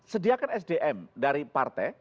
sediakan sdm dari partai